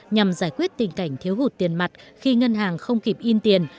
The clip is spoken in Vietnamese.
nhằm giải quyết tình cảnh thiếu hụt tiền mặt khi ngân hàng không kịp in tiền